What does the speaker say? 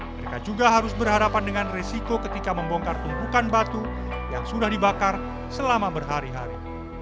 mereka juga harus berhadapan dengan resiko ketika membongkar tumpukan batu yang sudah dibakar selama berhari hari